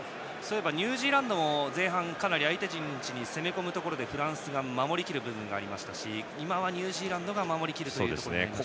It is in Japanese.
ニュージーランドも前半、かなり相手陣地に攻め込むところでフランスが守りきる部分がありましたし今はニュージーランドが守りきりました。